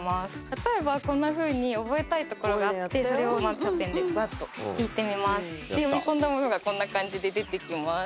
例えばこんなふうに覚えたい所があってそれをマーカーペンでバッと引いてみますで読み込んだものがこんな感じで出てきます